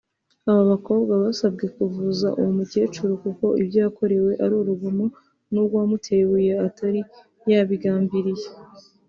Abo bakobwa basabwe kuvuza uwo mukecuru kuko ibyo yakorewe ari urugomo nubwo uwamuteye ibuye atari yabigambiriye